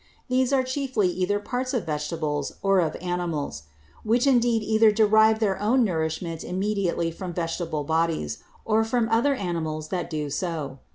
These are chiefly either parts of Vegetables, or of Animals; which indeed either derive their own Nourishment immediately from Vegetable Bodies, or from other Animals that do so.